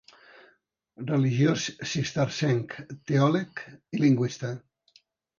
Religiós cistercenc, teòleg i lingüista.